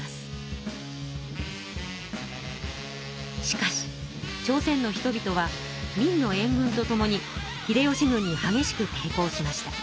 しかし朝鮮の人々は明のえん軍とともに秀吉軍にはげしくていこうしました。